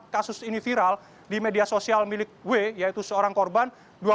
kasus ini viral di media sosial milik w yaitu seorang korban